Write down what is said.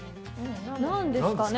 何ですかね。